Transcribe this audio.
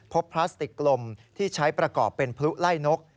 พลาสติกกลมที่ใช้ประกอบเป็นพลุไล่นก